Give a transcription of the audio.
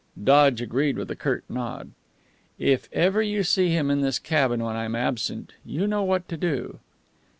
Dodge agreed with a curt nod. "If ever you see him in this cabin when I'm absent, you know what to do."